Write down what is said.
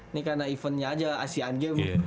ini karena eventnya aja asian games